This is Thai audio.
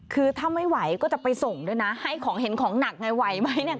คือถ้าไม่ไหวก็จะไปส่งด้วยนะให้ของเห็นของหนักไงไหวไหมเนี่ย